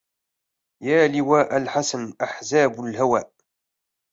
يا لواء الحسن أحزاب الهوى